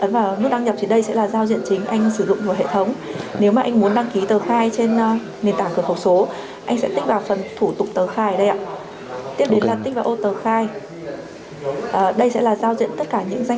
và lúc này thì doanh nghiệp sẽ biết được là sẽ phải khai lại thông tin chỉ của lái xe